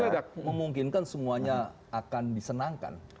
tidak memungkinkan semuanya akan disenangkan